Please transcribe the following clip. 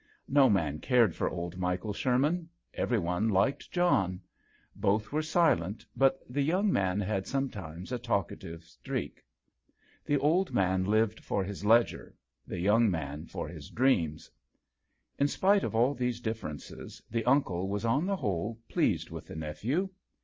No man cared for old Michael Sherman. Every one liked John. Both were silent, but the young nan had sometimes a talkative it. The old man lived for his edger, the young man for his Ireams. In spite of all these differences, the uncle was on the whole pleased with the nephew.